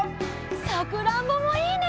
さくらんぼもいいね！